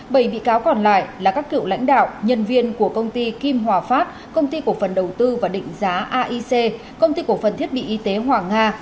bảy bị cáo còn lại là các cựu lãnh đạo nhân viên của công ty kim hòa phát công ty cổ phần đầu tư và định giá aic công ty cổ phần thiết bị y tế hoàng nga